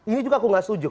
ini juga aku gak setuju